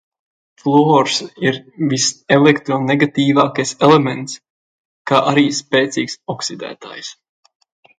Fluors ir viselektronegatīvākais elements, kā arī spēcīgs oksidētājs.